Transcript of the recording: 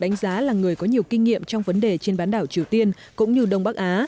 đánh giá là người có nhiều kinh nghiệm trong vấn đề trên bán đảo triều tiên cũng như đông bắc á